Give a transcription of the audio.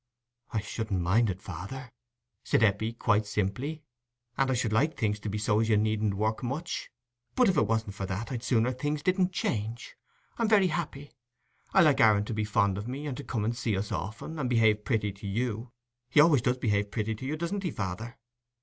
"I shouldn't mind it, father," said Eppie, quite simply. "And I should like things to be so as you needn't work much. But if it wasn't for that, I'd sooner things didn't change. I'm very happy: I like Aaron to be fond of me, and come and see us often, and behave pretty to you—he always does behave pretty to you, doesn't he, father?"